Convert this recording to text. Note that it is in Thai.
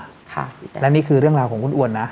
บริเศษนะครับและนี่คือเรื่องราวของคุณอวนนะ